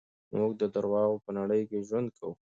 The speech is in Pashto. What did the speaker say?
موږ د دروغو په نړۍ کې ژوند کوو.